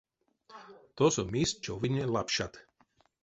Тосо мисть човине лапшат.